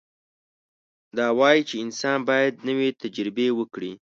دا وایي چې انسان باید نوې تجربې وکړي.